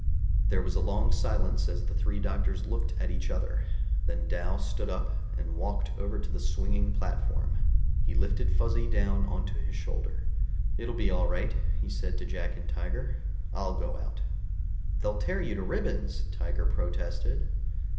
There was a long silence as the three doctors looked at each other. Then Dal stood up and walked over to the swinging platform. He lifted Fuzzy down onto his shoulder. "It'll be all right," he said to Jack and Tiger. "I'll go out." "They'll tear you to ribbons!" Tiger protested.